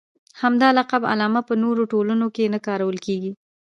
همدا لقب علامه په نورو ټولنو کې نه کارول کېږي.